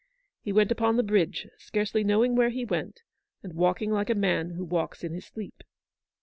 He went upon the bridge, scarcely knowing where he went, and walking like a man who walks in his sleep.